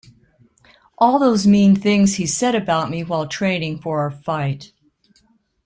All those mean things he said about me while training for our fight.